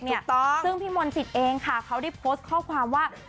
ถูกต้องซึ่งพี่มนต์สิทธิ์เองค่ะเขาได้โพสต์ข้อความว่า